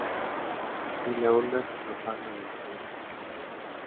Y la onda se propaga de manera radial.